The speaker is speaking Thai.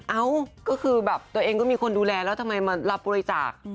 เอ้าก็คือแบบตัวเองก็มีคนดูแลแล้วทำไมมารับบริจาค